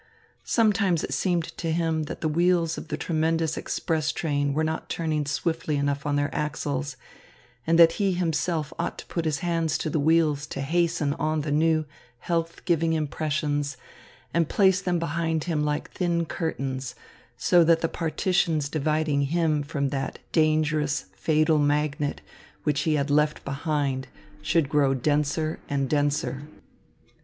Sometimes it seemed to him that the wheels of the tremendous express train were not turning swiftly enough on their axles, and that he himself ought to put his hands to the wheels to hasten on the new health giving impressions and place them behind him like thin curtains, so that the partitions dividing him from that dangerous, fatal magnet which he had left behind should grow denser and denser.